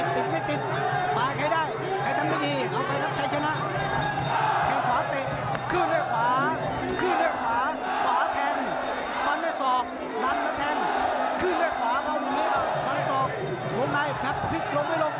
ต้องเดินตลอด